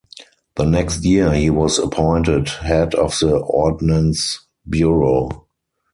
The next year, he was appointed Head of the Ordnance Bureau.